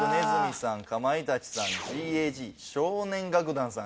かまいたちさんＧＡＧ少年楽団さん